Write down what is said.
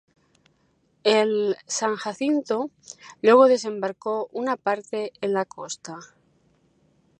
El "San Jacinto" luego desembarcó una parte en la costa.